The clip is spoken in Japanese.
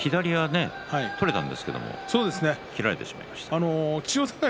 左は取れたんですけどね入られてしまいました。